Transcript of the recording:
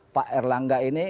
pak erlaga ini